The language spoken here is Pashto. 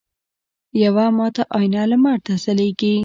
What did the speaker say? یوه ماته آینه لمر ته ځلیږي